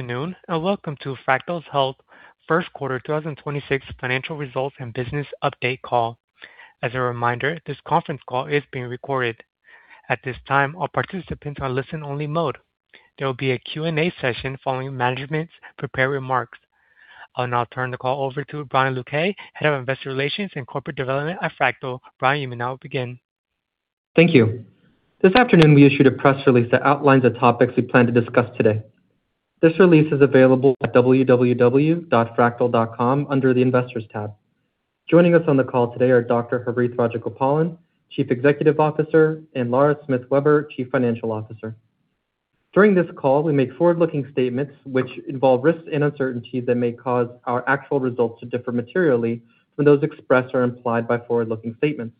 Good afternoon, and welcome to Fractyl Health First Quarter 2026 Financial Results and Business Update Call. As a reminder, this conference call is being recorded. At this time, all participants are listen only mode. There will be a Q&A session following management's prepared remarks. I'll now turn the call over to Brian Luque, Head of Investor Relations and Corporate Development at Fractyl. Brian, you may now begin. Thank you. This afternoon we issued a press release that outlines the topics we plan to discuss today. This release is available at www.fractyl.com under the Investors tab. Joining us on the call today are Dr. Harith Rajagopalan, Chief Executive Officer, and Lara Smith Weber, Chief Financial Officer. During this call, we make forward-looking statements which involve risks and uncertainties that may cause our actual results to differ materially from those expressed or implied by forward-looking statements.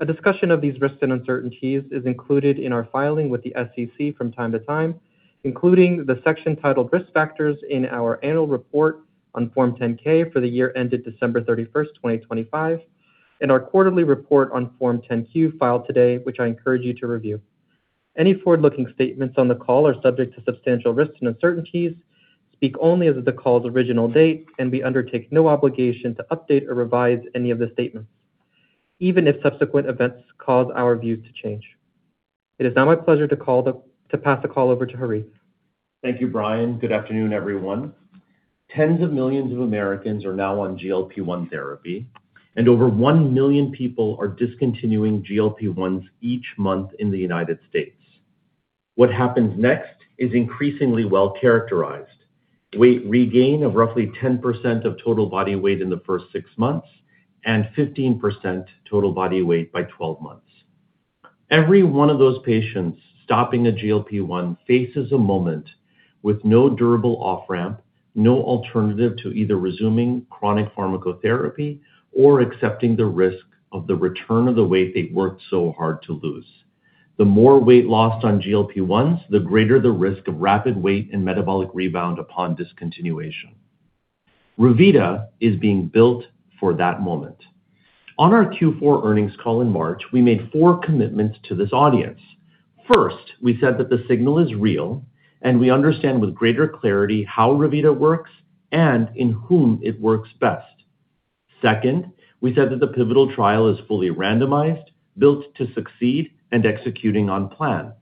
A discussion of these risks and uncertainties is included in our filing with the SEC from time to time, including the section titled Risk Factors in our annual report on Form 10-K for the year ended December 31, 2025, and our quarterly report on Form 10-Q filed today, which I encourage you to review. Any forward-looking statements on the call are subject to substantial risks and uncertainties, speak only as of the call's original date. We undertake no obligation to update or revise any of the statements, even if subsequent events cause our views to change. It is now my pleasure to pass the call over to Harith. Thank you, Brian. Good afternoon, everyone. Tens of millions of Americans are now on GLP-1 therapy. Over 1 million people are discontinuing GLP-1s each month in the U.S. What happens next is increasingly well-characterized. Weight regain of roughly 10% of total body weight in the first six months and 15% total body weight by 12 months. Every one of those patients stopping a GLP-1 faces a moment with no durable off-ramp, no alternative to either resuming chronic pharmacotherapy or accepting the risk of the return of the weight they've worked so hard to lose. The more weight lost on GLP-1s, the greater the risk of rapid weight and metabolic rebound upon discontinuation. Revita is being built for that moment. On our Q4 earnings call in March, we made four commitments to this audience. First, we said that the signal is real, and we understand with greater clarity how Revita works and in whom it works best. Second, we said that the pivotal trial is fully randomized, built to succeed, and executing on plan.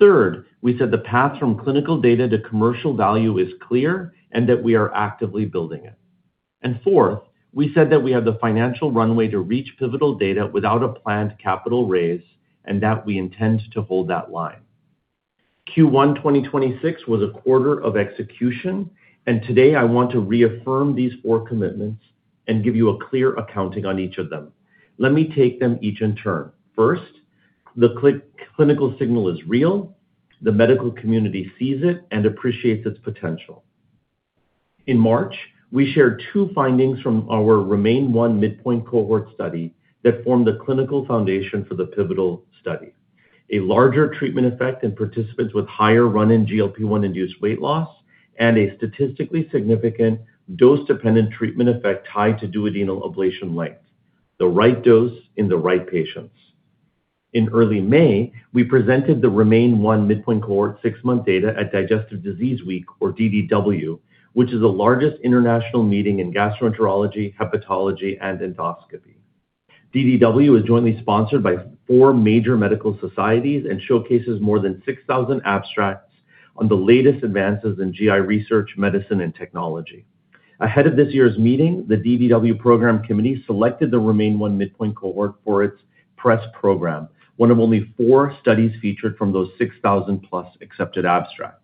Third, we said the path from clinical data to commercial value is clear and that we are actively building it. Fourth, we said that we have the financial runway to reach pivotal data without a planned capital raise and that we intend to hold that line. Q1 2026 was a quarter of execution, and today I want to reaffirm these four commitments and give you a clear accounting on each of them. Let me take them each in turn. First, the clinical signal is real. The medical community sees it and appreciates its potential. In March, we shared two findings from our REMAIN-1 midpoint cohort study that formed the clinical foundation for the pivotal study. A larger treatment effect in participants with higher run-in GLP-1 induced weight loss and a statistically significant dose-dependent treatment effect tied to duodenal ablation length, the right dose in the right patients. In early May, we presented the REMAIN-1 midpoint cohort six-month data at Digestive Disease Week, or DDW, which is the largest international meeting in gastroenterology, hepatology, and endoscopy. DDW is jointly sponsored by four major medical societies and showcases more than 6,000 abstracts on the latest advances in GI research, medicine, and technology. Ahead of this year's meeting, the DDW program committee selected the REMAIN-1 midpoint cohort for its press program, one of only four studies featured from those 6,000+ accepted abstracts.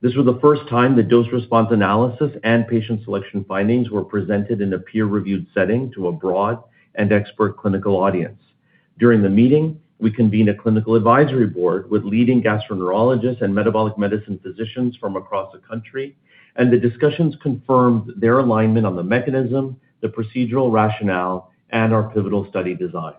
This was the first time the dose response analysis and patient selection findings were presented in a peer-reviewed setting to a broad and expert clinical audience. During the meeting, we convened a clinical advisory board with leading gastroenterologists and metabolic medicine physicians from across the country, and the discussions confirmed their alignment on the mechanism, the procedural rationale, and our pivotal study design.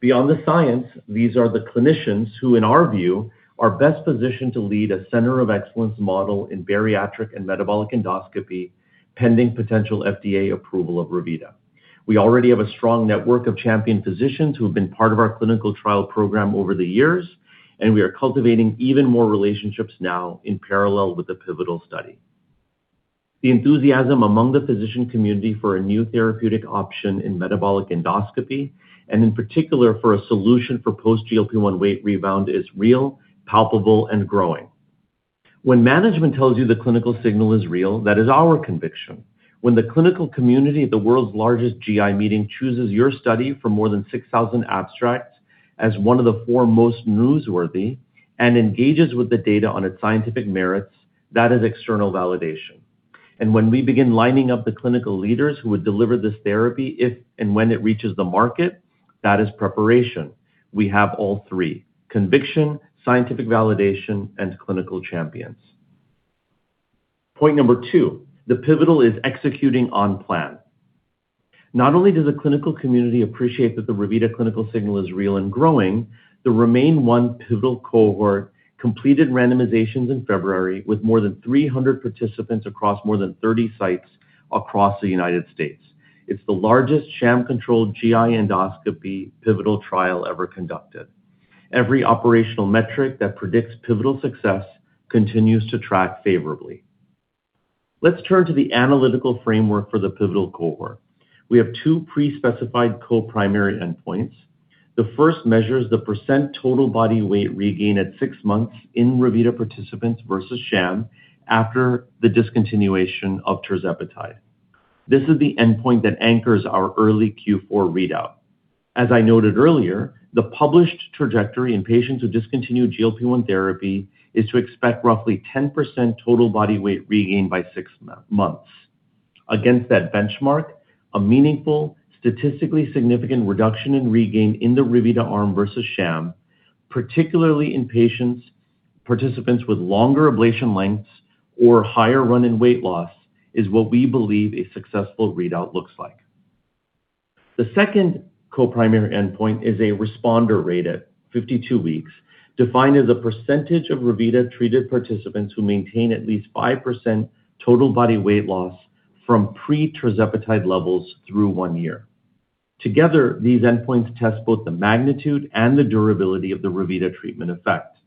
Beyond the science, these are the clinicians who, in our view, are best positioned to lead a center of excellence model in bariatric and metabolic endoscopy, pending potential FDA approval of Revita. We already have a strong network of champion physicians who have been part of our clinical trial program over the years, and we are cultivating even more relationships now in parallel with the pivotal study. The enthusiasm among the physician community for a new therapeutic option in metabolic endoscopy, and in particular for a solution for post GLP-1 weight rebound, is real, palpable, and growing. When management tells you the clinical signal is real, that is our conviction. When the clinical community at the world's largest GI meeting chooses your study for more than 6,000 abstracts as one of the four most newsworthy and engages with the data on its scientific merits, that is external validation. When we begin lining up the clinical leaders who would deliver this therapy if and when it reaches the market, that is preparation. We have all three: conviction, scientific validation, and clinical champions. Point number two, the pivotal is executing on plan. Not only does the clinical community appreciate that the Revita clinical signal is real and growing, the REMAIN-1 pivotal cohort completed randomizations in February with more than 300 participants across more than 30 sites across the United States. It's the largest sham-controlled GI endoscopy pivotal trial ever conducted. Every operational metric that predicts pivotal success continues to track favorably. Let's turn to the analytical framework for the pivotal cohort. We have two pre-specified co-primary endpoints. The first measures the percent total body weight regain at six months in Revita participants versus sham after the discontinuation of tirzepatide. This is the endpoint that anchors our early Q4 readout. As I noted earlier, the published trajectory in patients who discontinued GLP-1 therapy is to expect roughly 10% total body weight regain by six months. Against that benchmark, a meaningful statistically significant reduction in regain in the Revita arm versus sham, particularly in participants with longer ablation lengths or higher run-in weight loss, is what we believe a successful readout looks like. The second co-primary endpoint is a responder rate at 52 weeks, defined as a percentage of Revita-treated participants who maintain at least 5% total body weight loss from pre-tirzepatide levels through one year. Together, these endpoints test both the magnitude and the durability of the Revita treatment effect.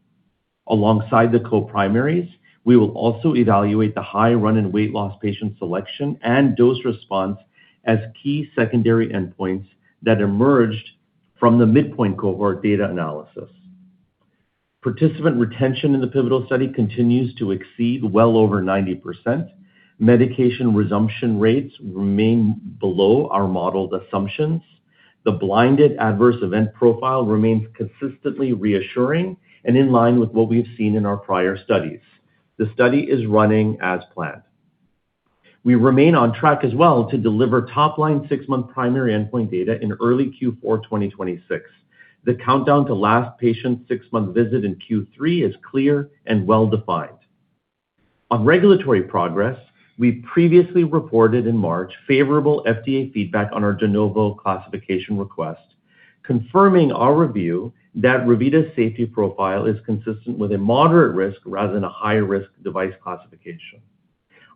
Alongside the co-primaries, we will also evaluate the high run-in weight loss patient selection and dose response as key secondary endpoints that emerged from the midpoint cohort data analysis. Participant retention in the pivotal study continues to exceed well over 90%. Medication resumption rates remain below our modeled assumptions. The blinded adverse event profile remains consistently reassuring and in line with what we've seen in our prior studies. The study is running as planned. We remain on track as well to deliver top-line six-month primary endpoint data in early Q4 2026. The countdown to last patient six-month visit in Q3 is clear and well-defined. On regulatory progress, we previously reported in March favorable FDA feedback on our De Novo classification request, confirming our review that Revita's safety profile is consistent with a moderate risk rather than a high-risk device classification.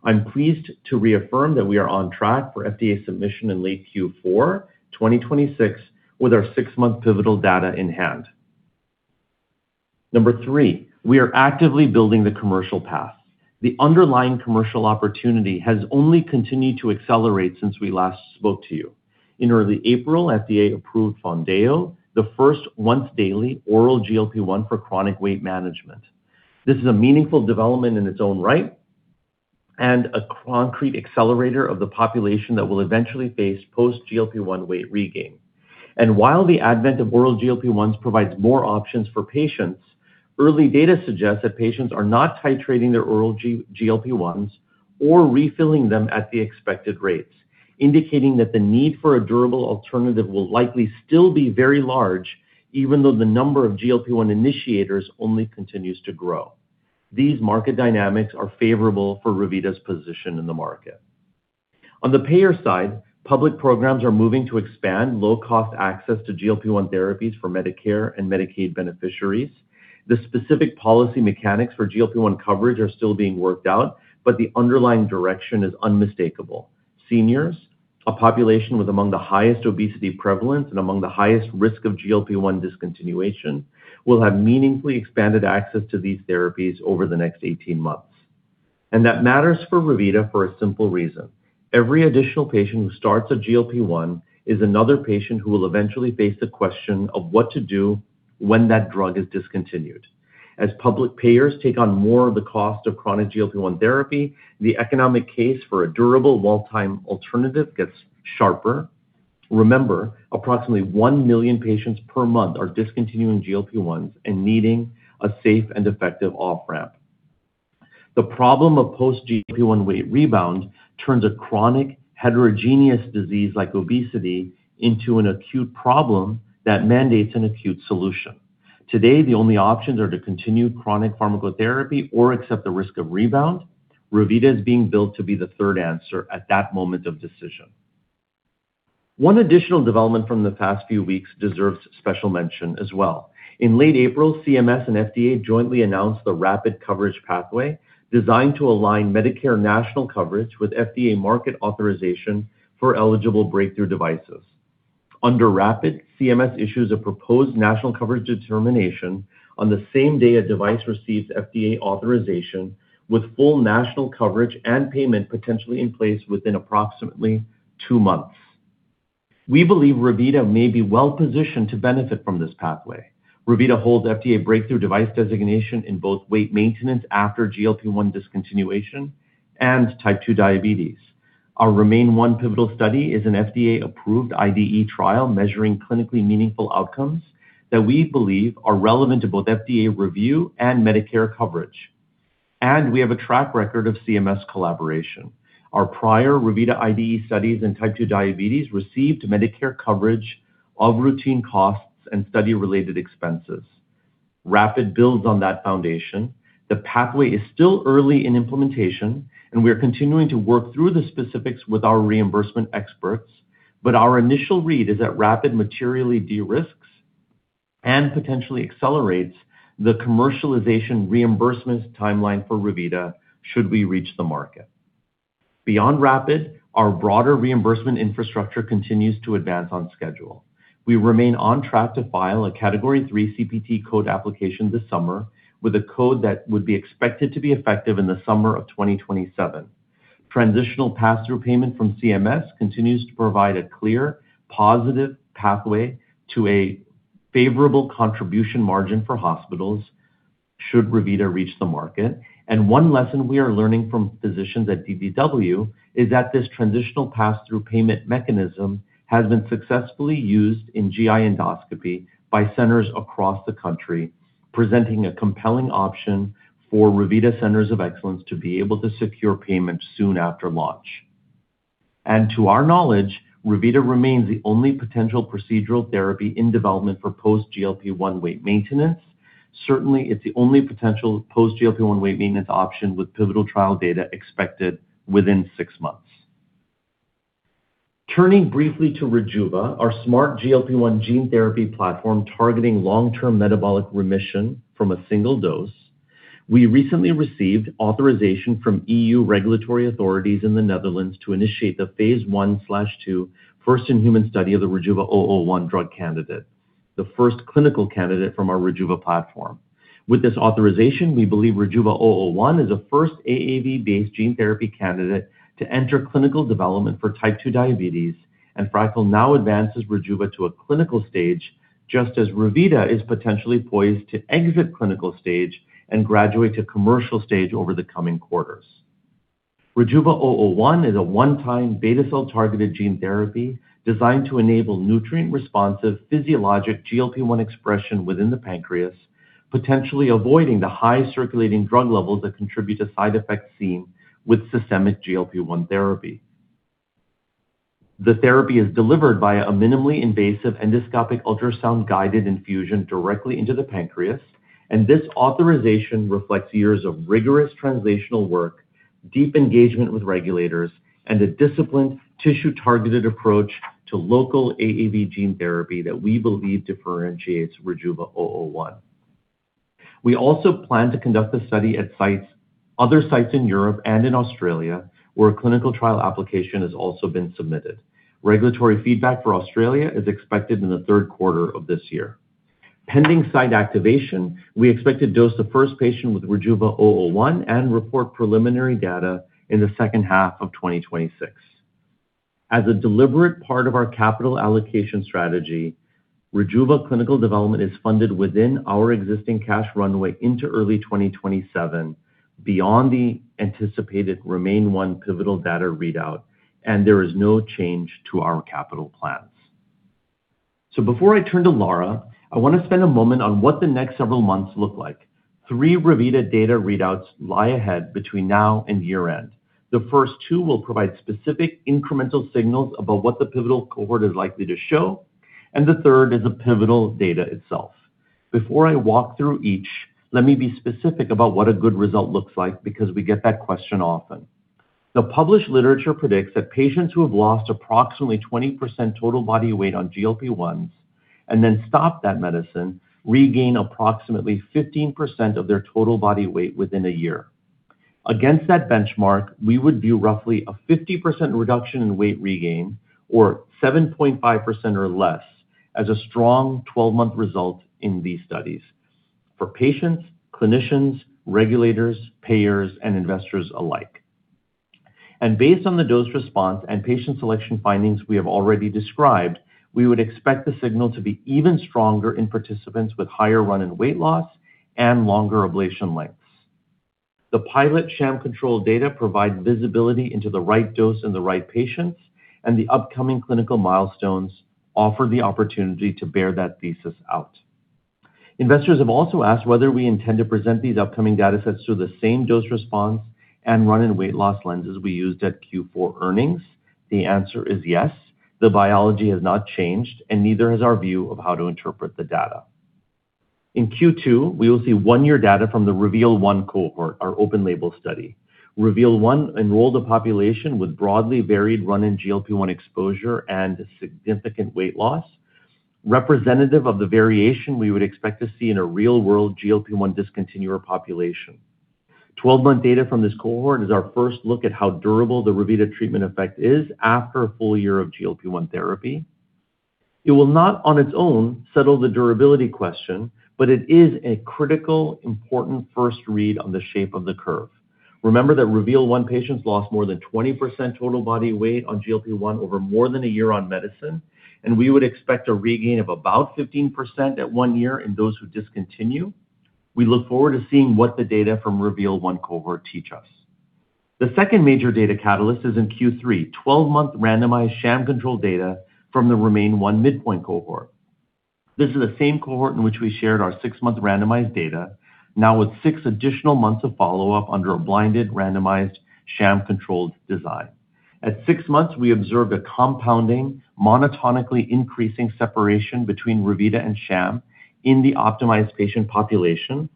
I'm pleased to reaffirm that we are on track for FDA submission in late Q4 2026 with our six-month pivotal data in-hand. Number three, we are actively building the commercial path. The underlying commercial opportunity has only continued to accelerate since we last spoke to you. In early April, FDA approved Foundayo, the first once-daily oral GLP-1 for chronic weight management. This is a meaningful development in its own right and a concrete accelerator of the population that will eventually face post GLP-1 weight regain. While the advent of oral GLP-1s provides more options for patients, early data suggests that patients are not titrating their oral GLP-1s or refilling them at the expected rates, indicating that the need for a durable alternative will likely still be very large, even though the number of GLP-1 initiators only continues to grow. These market dynamics are favorable for Revita's position in the market. On the payer side, public programs are moving to expand low-cost access to GLP-1 therapies for Medicare and Medicaid beneficiaries. The specific policy mechanics for GLP-1 coverage are still being worked out, but the underlying direction is unmistakable. Seniors, a population with among the highest obesity prevalence and among the highest risk of GLP-1 discontinuation, will have meaningfully expanded access to these therapies over the next 18 months. That matters for Revita for a simple reason. Every additional patient who starts a GLP-1 is another patient who will eventually face the question of what to do when that drug is discontinued. As public payers take on more of the cost of chronic GLP-1 therapy, the economic case for a durable, long time alternative gets sharper. Remember, approximately 1 million patients per month are discontinuing GLP-1s and needing a safe and effective off-ramp. The problem of post GLP-1 weight rebound turns a chronic heterogeneous disease like obesity into an acute problem that mandates an acute solution. Today, the only options are to continue chronic pharmacotherapy or accept the risk of rebound. Revita is being built to be the third answer at that moment of decision. One additional development from the past few weeks deserves special mention as well. In late April, CMS and FDA jointly announced the RAPID coverage pathway designed to align Medicare national coverage with FDA market authorization for eligible breakthrough devices. Under RAPID, CMS issues a proposed national coverage determination on the same day a device receives FDA authorization, with full national coverage and payment potentially in place within approximately two months. We believe Revita may be well-positioned to benefit from this pathway. Revita holds FDA breakthrough device designation in both weight maintenance after GLP-1 discontinuation and Type 2 diabetes. Our REMAIN-1 pivotal study is an FDA-approved IDE trial measuring clinically meaningful outcomes that we believe are relevant to both FDA review and Medicare coverage. We have a track record of CMS collaboration. Our prior Revita IDE studies in Type 2 diabetes received Medicare coverage of routine costs and study-related expenses. RAPID builds on that foundation. The pathway is still early in implementation, and we are continuing to work through the specifics with our reimbursement experts. Our initial read is that RAPID materially de-risks and potentially accelerates the commercialization reimbursement timeline for Revita should we reach the market. Beyond RAPID, our broader reimbursement infrastructure continues to advance on schedule. We remain on track to file a Category III CPT code application this summer with a code that would be expected to be effective in the summer of 2027. Transitional passthrough payment from CMS continues to provide a clear, positive pathway to a favorable contribution margin for hospitals should Revita reach the market. One lesson we are learning from physicians at DDW is that this transitional passthrough payment mechanism has been successfully used in GI endoscopy by centers across the country, presenting a compelling option for Revita centers of excellence to be able to secure payment soon after launch. To our knowledge, Revita remains the only potential procedural therapy in development for post GLP-1 weight maintenance. Certainly, it's the only potential post GLP-1 weight maintenance option with pivotal trial data expected within six months. Turning briefly to Rejuva, our smart GLP-1 gene therapy platform targeting long-term metabolic remission from a single dose. We recently received authorization from EU regulatory authorities in the Netherlands to initiate the phase I/II first in human study of the RJVA-001 drug candidate, the first clinical candidate from our Rejuva platform. With this authorization, we believe RJVA-001 is the first AAV-based gene therapy candidate to enter clinical development for Type 2 diabetes, and Fractyl now advances Rejuva to a clinical stage, just as Revita is potentially poised to exit clinical stage and graduate to commercial stage over the coming quarters. RJVA-001 is a one-time beta cell-targeted gene therapy designed to enable nutrient-responsive physiologic GLP-1 expression within the pancreas, potentially avoiding the high circulating drug levels that contribute to side effects seen with systemic GLP-1 therapy. The therapy is delivered via a minimally invasive endoscopic ultrasound-guided infusion directly into the pancreas, and this authorization reflects years of rigorous translational work, deep engagement with regulators, and a disciplined tissue-targeted approach to local AAV gene therapy that we believe differentiates RJVA-001. We also plan to conduct the study at other sites in Europe and in Australia, where a clinical trial application has also been submitted. Regulatory feedback for Australia is expected in the third quarter of this year. Pending site activation, we expect to dose the first patient with RJVA-001 and report preliminary data in the second half of 2026. As a deliberate part of our capital allocation strategy, Rejuva clinical development is funded within our existing cash runway into early 2027, beyond the anticipated REMAIN-1 pivotal data readout, and there is no change to our capital plans. Before I turn to Lara, I want to spend a moment on what the next several months look like. Three Revita data readouts lie ahead between now and year-end. The first two will provide specific incremental signals about what the pivotal cohort is likely to show, and the third is the pivotal data itself. Before I walk through each, let me be specific about what a good result looks like because we get that question often. The published literature predicts that patients who have lost approximately 20% total body weight on GLP-1s and then stop that medicine regain approximately 15% of their total body weight within a year. Against that benchmark, we would view roughly a 50% reduction in weight regain or 7.5% or less as a strong 12-month result in these studies for patients, clinicians, regulators, payers, and investors alike. Based on the dose response and patient selection findings we have already described, we would expect the signal to be even stronger in participants with higher run-in weight loss and longer ablation lengths. The pilot sham control data provide visibility into the right dose and the right patients, and the upcoming clinical milestones offer the opportunity to bear that thesis out. Investors have also asked whether we intend to present these upcoming data sets through the same dose response and run-in weight loss lenses we used at Q4 earnings. The answer is yes. The biology has not changed, and neither has our view of how to interpret the data. In Q2, we will see one-year data from the REVEAL-1 cohort, our open-label study. REVEAL-1 enrolled a population with broadly varied run-in GLP-1 exposure and significant weight loss, representative of the variation we would expect to see in a real-world GLP-1 discontinuer population. 12-month data from this cohort is our first look at how durable the Revita treatment effect is after a full year of GLP-1 therapy. It will not on its own settle the durability question, but it is a critical important first read on the shape of the curve. Remember that REVEAL-1 patients lost more than 20% total body weight on GLP-1 over more than a year on medicine, and we would expect a regain of about 15% at one year in those who discontinue. We look forward to seeing what the data from REVEAL-1 cohort teach us. The second major data catalyst is in Q3, 12-month randomized sham control data from the REMAIN-1 midpoint cohort. This is the same cohort in which we shared our six-month randomized data, now with six additional months of follow-up under a blinded randomized sham-controlled design. At six months, we observed a compounding monotonically increasing separation between Revita and sham in the optimized patient population.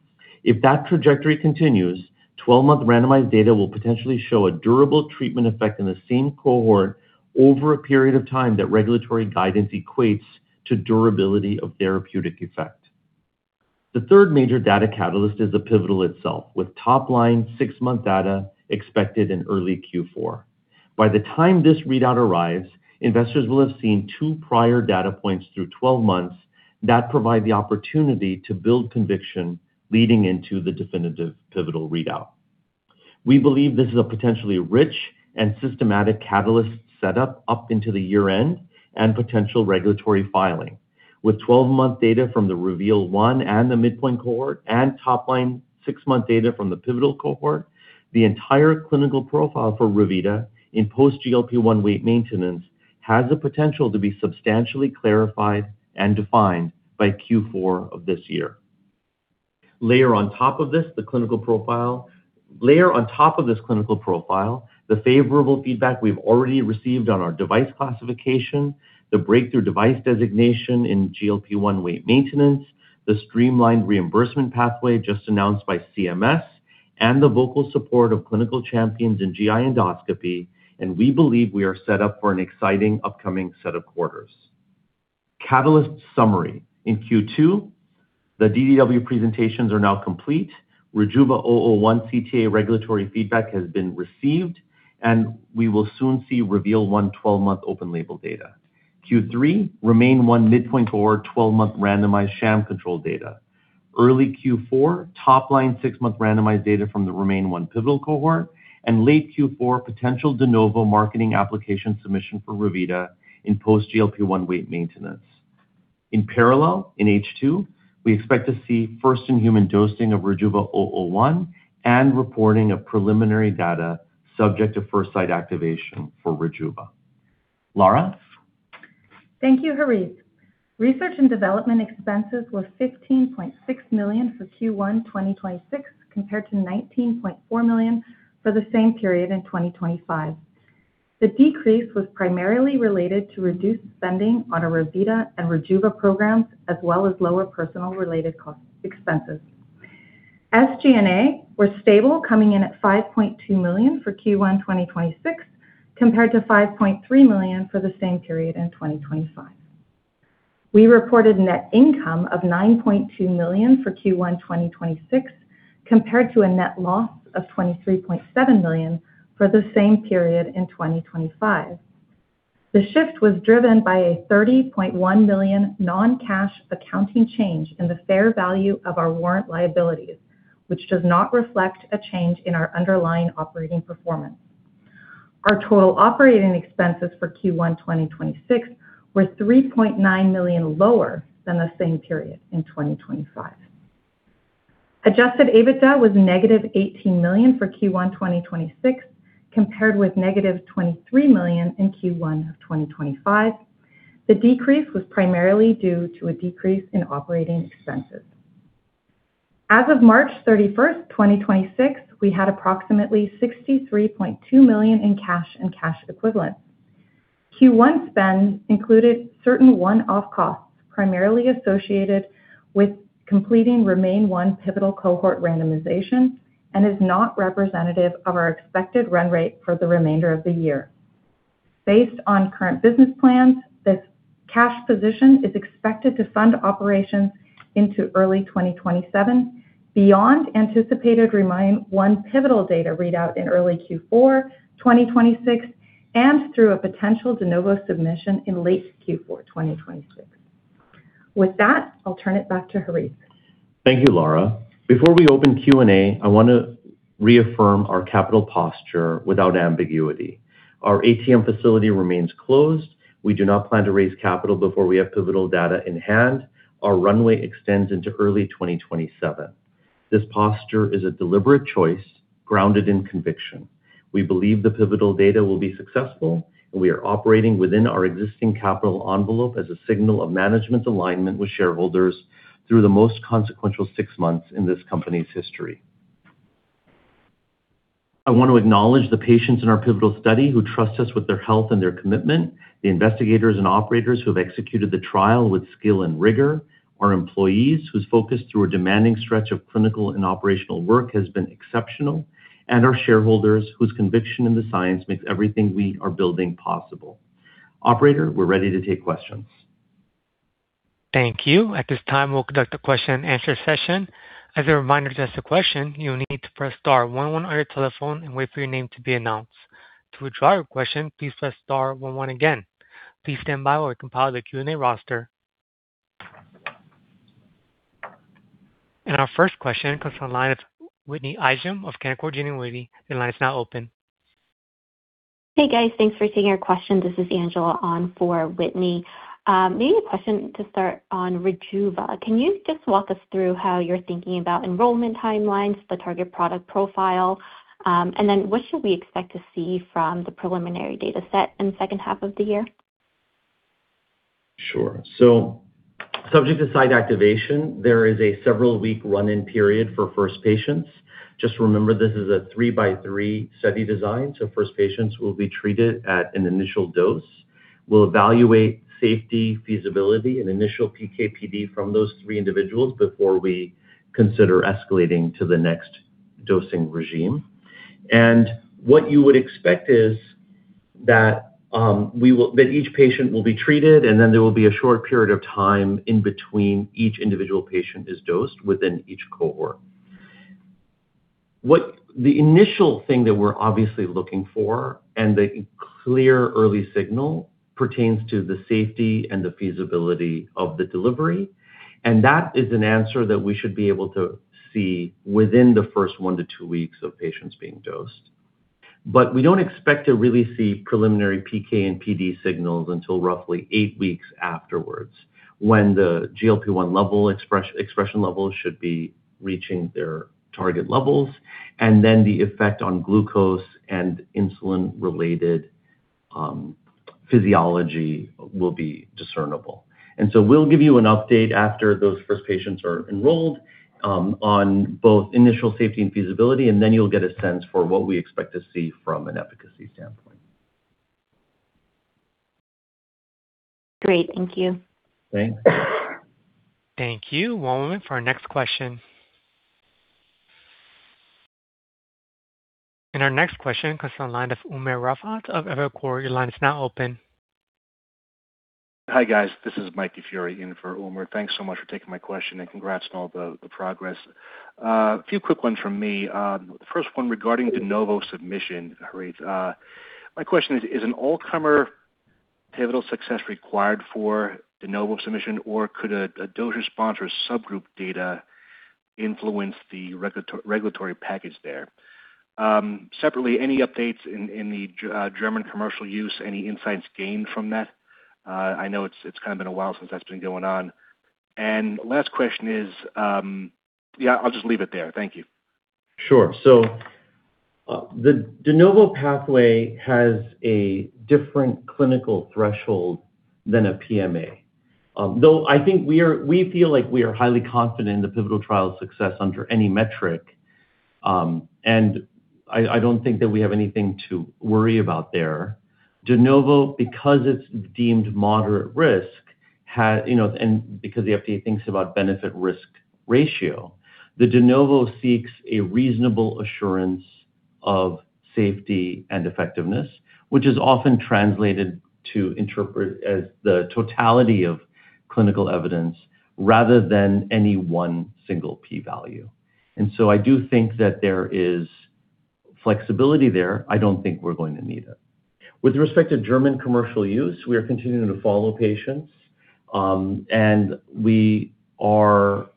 If that trajectory continues, 12-month randomized data will potentially show a durable treatment effect in the same cohort over a period of time that regulatory guidance equates to durability of therapeutic effect. The third major data catalyst is the pivotal itself, with top-line six-month data expected in early Q4. By the time this readout arrives, investors will have seen two prior data points through 12 months that provide the opportunity to build conviction leading into the definitive pivotal readout. We believe this is a potentially rich and systematic catalyst setup up into the year-end and potential regulatory filing. With 12-month data from the REVEAL-1 and the midpoint cohort and top line six-month data from the pivotal cohort, the entire clinical profile for Revita in post GLP-1 weight maintenance has the potential to be substantially clarified and defined by Q4 of this year. Layer on top of this clinical profile, the favorable feedback we've already received on our device classification, the breakthrough device designation in GLP-1 weight maintenance, the streamlined reimbursement pathway just announced by CMS, and the vocal support of clinical champions in GI endoscopy, we believe we are set up for an exciting upcoming set of quarters. Catalyst summary. In Q2, the DDW presentations are now complete. RJVA-001 CTA regulatory feedback has been received, we will soon see REVEAL-1 12-month open label data. Q3, REMAIN-1 midpoint cohort 12-month randomized sham control data. Early Q4, top line six-month randomized data from the REMAIN-1 pivotal cohort. Late Q4, potential De Novo marketing application submission for Revita in post GLP-1 weight maintenance. In parallel, in H2, we expect to see first-in-human dosing of RJVA-001 and reporting of preliminary data subject to first site activation for Rejuva. Lara? Thank you, Harith. Research and development expenses were $15.6 million for Q1 2026 compared to $19.4 million for the same period in 2025. The decrease was primarily related to reduced spending on our Revita and Rejuva programs, as well as lower personnel-related expenses. SG&A was stable, coming in at $5.2 million for Q1 2026 compared to $5.3 million for the same period in 2025. We reported net income of $9.2 million for Q1 2026 compared to a net loss of $23.7 million for the same period in 2025. The shift was driven by a $30.1 million non-cash accounting change in the fair value of our warrant liabilities, which does not reflect a change in our underlying operating performance. Our total operating expenses for Q1 2026 were $3.9 million lower than the same period in 2025. Adjusted EBITDA was negative $18 million for Q1 2026, compared with negative $23 million in Q1 of 2025. The decrease was primarily due to a decrease in operating expenses. As of March 31, 2026, we had approximately $63.2 million in cash and cash equivalents. Q1 spend included certain one-off costs, primarily associated with completing REMAIN-1 pivotal cohort randomization and is not representative of our expected run rate for the remainder of the year. Based on current business plans, this cash position is expected to fund operations into early 2027 beyond anticipated REMAIN-1 pivotal data readout in early Q4 2026 and through a potential De Novo submission in late Q4 2026. With that, I'll turn it back to Harith. Thank you, Lara. Before we open Q&A, I want to reaffirm our capital posture without ambiguity. Our ATM facility remains closed. We do not plan to raise capital before we have pivotal data in-hand. Our runway extends into early 2027. This posture is a deliberate choice grounded in conviction. We believe the pivotal data will be successful, and we are operating within our existing capital envelope as a signal of management alignment with shareholders through the most consequential six months in this company's history. I want to acknowledge the patients in our pivotal study who trust us with their health and their commitment, the investigators and operators who have executed the trial with skill and rigor, our employees whose focus through a demanding stretch of clinical and operational work has been exceptional, and our shareholders, whose conviction in the science makes everything we are building possible. Operator, we're ready to take questions. Thank you. At this time, we'll conduct a question and answer session. As a reminder to ask a question, you will need to press star one one on your telephone and wait for your name to be announced. To withdraw your question, please press star one one again. Please stand by while we compile the Q&A roster. Our first question comes from the line of Whitney Ijem of Canaccord Genuity. The line is now open. Hey, guys. Thanks for taking our question. This is Angela on for Whitney. maybe a question to start on Rejuva. Can you just walk us through how you're thinking about enrollment timelines, the target product profile, what should we expect to see from the preliminary data set in the second half of the year? Sure. Subject to site activation, there is a several week run-in period for first patients. Just remember, this is a three-by-three study design, first patients will be treated at an initial dose. We'll evaluate safety, feasibility, and initial PK/PD from those three individuals before we consider escalating to the next dosing regime. What you would expect is that each patient will be treated, and then there will be a short period of time in between each individual patient is dosed within each cohort. What the initial thing that we're obviously looking for, and the clear early signal pertains to the safety and the feasibility of the delivery, and that is an answer that we should be able to see within the first one-two weeks of patients being dosed. We don't expect to really see preliminary PK and PD signals until roughly eight weeks afterwards when the GLP-1 level expression levels should be reaching their target levels, and then the effect on glucose and insulin-related physiology will be discernible. We'll give you an update after those first patients are enrolled on both initial safety and feasibility, and then you'll get a sense for what we expect to see from an efficacy standpoint. Great. Thank you. Thanks. Thank you. One moment for our next question. Our next question comes from the line of Umer Raffat of Evercore. Your line is now open. Hi, guys. This is Michael DiFiore in for Umer Raffat. Thanks so much for taking my question, and congrats on all the progress. A few quick ones from me. The first one regarding De Novo submission, Harith. My question is an all-comer pivotal success required for De Novo submission, or could a dose response or subgroup data influence the regulatory package there? Separately, any updates in the German commercial use, any insights gained from that? I know it's kinda been a while since that's been going on. Last question is, Yeah, I'll just leave it there. Thank you. Sure. The De Novo pathway has a different clinical threshold than a PMA. Though I think we feel like we are highly confident in the pivotal trial success under any metric, I don't think that we have anything to worry about there. De Novo, because it's deemed moderate risk, has, you know, and because the FDA thinks about benefit/risk ratio, the De Novo seeks a reasonable assurance of safety and effectiveness, which is often translated to interpret as the totality of clinical evidence rather than any one single P value. I do think that there is flexibility there. I don't think we're going to need it. With respect to German commercial use, we are continuing to follow patients, and we have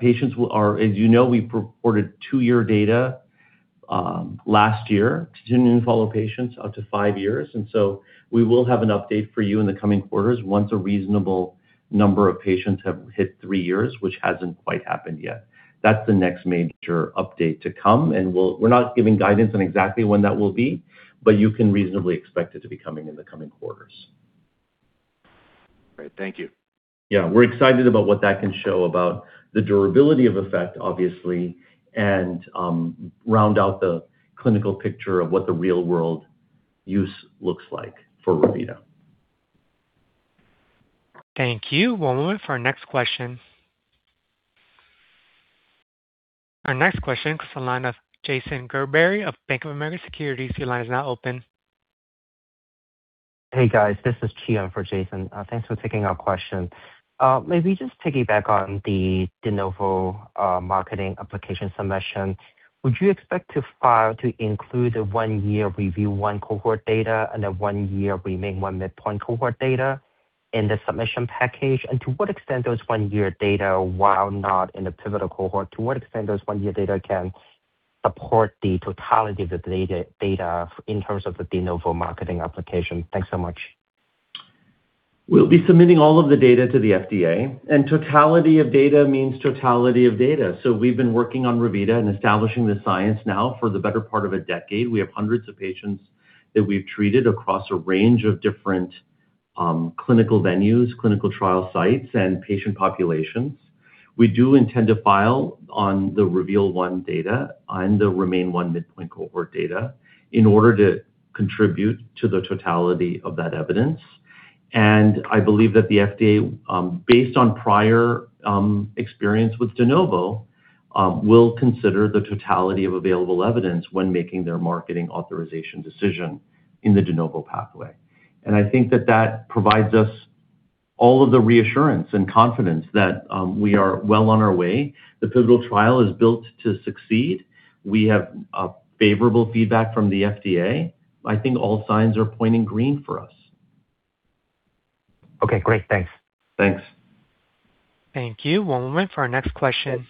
patients who are. As you know, we reported two-year data last year to continuing to follow patients up to five years. We will have an update for you in the coming quarters once a reasonable number of patients have hit three years, which hasn't quite happened yet. That's the next major update to come. We're not giving guidance on exactly when that will be, but you can reasonably expect it to be coming in the coming quarters. Great. Thank you. Yeah. We're excited about what that can show about the durability of effect, obviously, and round out the clinical picture of what the real-world use looks like for Revita. Thank you. One moment for our next question. Our next question comes from the line of Jason Gerberry of Bank of America Securities. Your line is now open. Hey, guys. This is Chi Fong for Jason. Thanks for taking our question. Maybe just piggyback on the De Novo marketing application submission. Would you expect to file to include the one-year REVEAL-1 cohort data and the one-year REMAIN-1 midpoint cohort data in the submission package? To what extent those one-year data, while not in the pivotal cohort, to what extent those one-year data can support the totality of the data in terms of the De Novo marketing application? Thanks so much. We'll be submitting all of the data to the FDA, and totality of data means totality of data. We've been working on Revita and establishing the science now for the better part of a decade. We have hundreds of patients that we've treated across a range of different clinical venues, clinical trial sites, and patient populations. We do intend to file on the REVEAL-1 data and the REMAIN-1 midpoint cohort data in order to contribute to the totality of that evidence. I believe that the FDA, based on prior experience with De Novo, will consider the totality of available evidence when making their marketing authorization decision in the De Novo pathway. I think that that provides us all of the reassurance and confidence that we are well on our way. The pivotal trial is built to succeed. We have favorable feedback from the FDA. I think all signs are pointing green for us. Okay. Great. Thanks. Thanks. Thank you. One moment for our next question.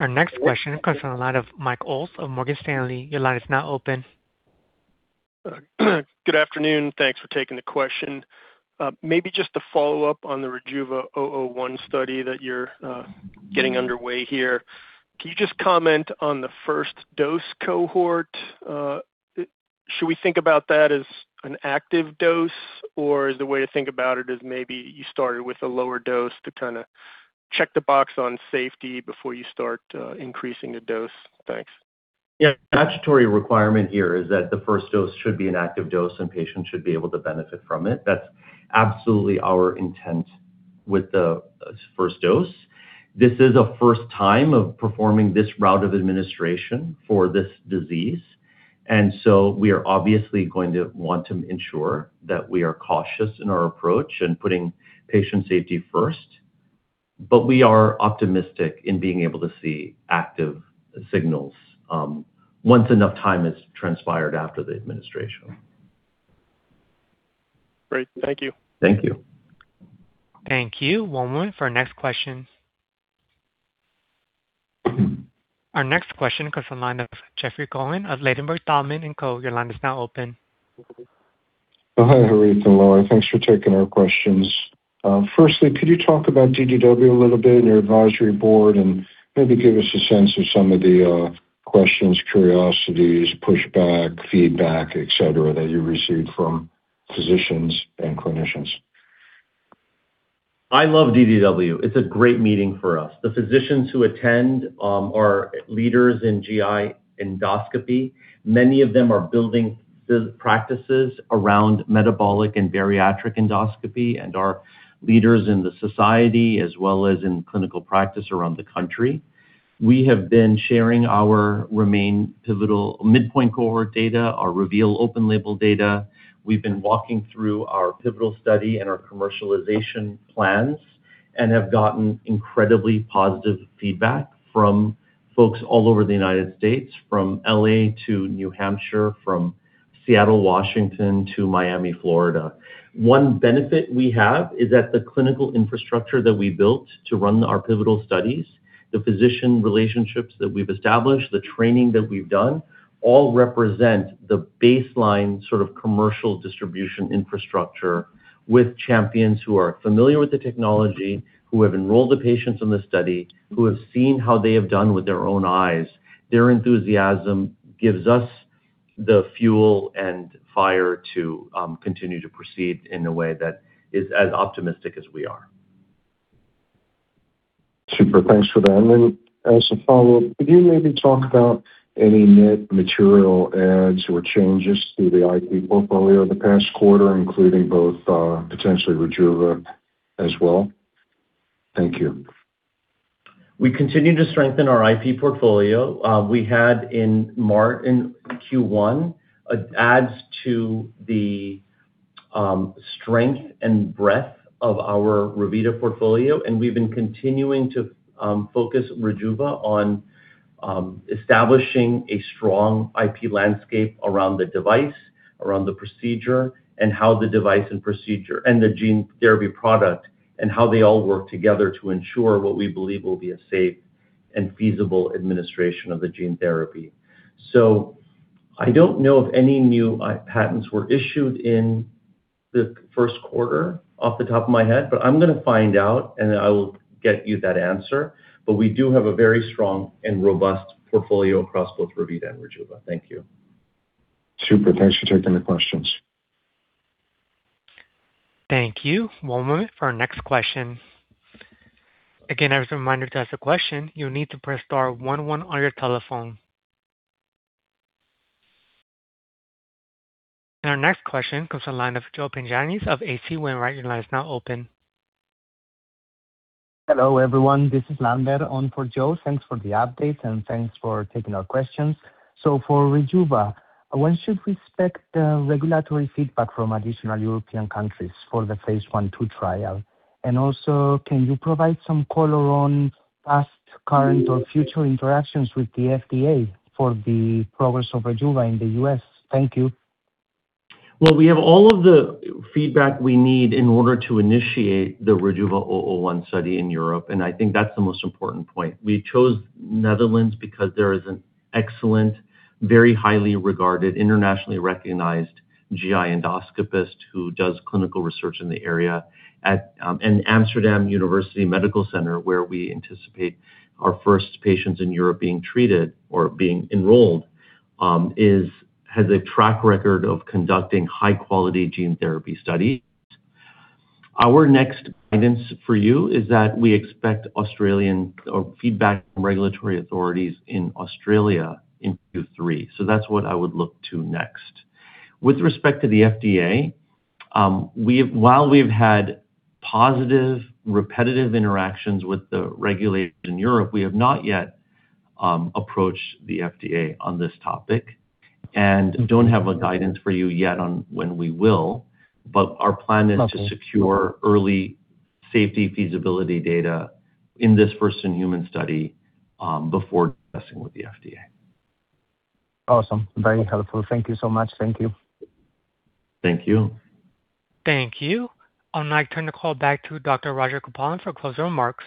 Our next question comes from the line of Mike Ulz of Morgan Stanley. Your line is now open. Good afternoon. Thanks for taking the question. Maybe just to follow up on the RJVA-001 study that you're getting underway here. Can you just comment on the first dose cohort? Should we think about that as an active dose, or is the way to think about it is maybe you started with a lower dose to check the box on safety before you start increasing the dose. Thanks. Yeah. Mandatory requirement here is that the first dose should be an active dose, and patients should be able to benefit from it. That's absolutely our intent with the first dose. This is a first time of performing this route of administration for this disease. We are obviously going to want to ensure that we are cautious in our approach in putting patient safety first. We are optimistic in being able to see active signals once enough time has transpired after the administration. Great. Thank you. Thank you. Thank you. One moment for our next question. Our next question comes from line of Jeffrey Cohen of Ladenburg Thalmann & Co. Your line is now open. Hi, Harith and Lara. Thanks for taking our questions. Firstly, could you talk about DDW a little bit and your advisory board and maybe give us a sense of some of the questions, curiosities, pushback, feedback, et cetera, that you received from physicians and clinicians? I love DDW. It's a great meeting for us. The physicians who attend are leaders in GI endoscopy. Many of them are building practices around metabolic and bariatric endoscopy and are leaders in the society as well as in clinical practice around the country. We have been sharing our REMAIN pivotal midpoint cohort data, our REVEAL open label data. We've been walking through our pivotal study and our commercialization plans and have gotten incredibly positive feedback from folks all over the United States, from L.A. to New Hampshire, from Seattle, Washington, to Miami, Florida. One benefit we have is that the clinical infrastructure that we built to run our pivotal studies, the physician relationships that we've established, the training that we've done, all represent the baseline sort of commercial distribution infrastructure with champions who are familiar with the technology, who have enrolled the patients in the study, who have seen how they have done with their own eyes. Their enthusiasm gives us the fuel and fire to continue to proceed in a way that is as optimistic as we are. Super. Thanks for that. Then as a follow-up, could you maybe talk about any net material adds or changes to the IP portfolio the past quarter, including both, potentially Rejuva as well? Thank you. We continue to strengthen our IP portfolio. We had in Q1, adds to the strength and breadth of our Revita portfolio, and we've been continuing to focus Rejuva on establishing a strong IP landscape around the device, around the procedure, and how the device and procedure and the gene therapy product and how they all work together to ensure what we believe will be a safe and feasible administration of the gene therapy. I don't know if any new patents were issued in the first quarter off the top of my head, but I'm gonna find out, and then I will get you that answer. We do have a very strong and robust portfolio across both Revita and Rejuva. Thank you. Super. Thanks for taking the questions. Thank you. One moment for our next question. Our next question comes to line of Joe Pantginis of H.C. Wainwright. Your line is now open. Hello, everyone. This is Lander on for Joe. Thanks for the updates, and thanks for taking our questions. For Rejuva, when should we expect regulatory feedback from additional European countries for the phase I/II trial? Also, can you provide some color on past, current, or future interactions with the FDA for the progress of Rejuva in the U.S.? Thank you. We have all of the feedback we need in order to initiate the RJVA-001 study in Europe, and I think that's the most important point. We chose Netherlands because there is an excellent, very highly regarded, internationally recognized GI endoscopist who does clinical research in the area at Amsterdam University Medical Center, where we anticipate our first patients in Europe being treated or being enrolled, has a track record of conducting high-quality gene therapy studies. Our next guidance for you is that we expect feedback from regulatory authorities in Australia in Q3. That's what I would look to next. With respect to the FDA, While we've had positive repetitive interactions with the regulators in Europe, we have not yet approached the FDA on this topic and don't have a guidance for you yet on when we will. Our plan is to secure early safety feasibility data in this first human study before discussing with the FDA. Awesome. Very helpful. Thank you so much. Thank you. Thank you. Thank you. I'll now turn the call back to Dr. Rajagopalan for closing remarks.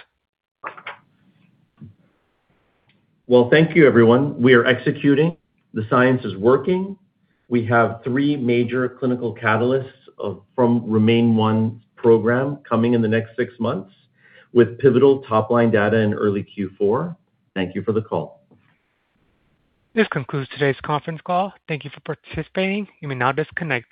Thank you everyone. We are executing. The science is working. We have three major clinical catalysts from REMAIN-1 program coming in the next six months with pivotal top-line data in early Q4. Thank you for the call. This concludes today's conference call. Thank you for participating. You may now disconnect.